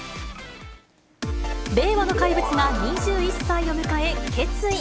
令和の怪物が２１歳を迎え、決意。